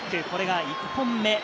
これが１本目。